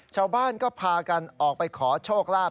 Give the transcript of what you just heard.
ชาวบ้านก็พากันออกไปขอโชคลาภ